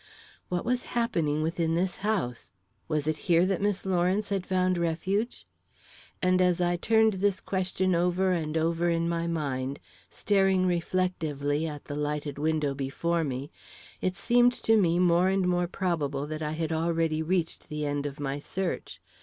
What was happening within this house? Was it here that Miss Lawrence had found refuge? And as I turned this question over and over in my mind, staring reflectively at the lighted window before me, it seemed to me more and more probable that I had already reached the end of my search.